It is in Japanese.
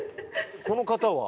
この方は？